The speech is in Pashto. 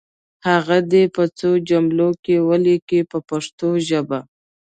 هغه دې په څو جملو کې ولیکي په پښتو ژبه.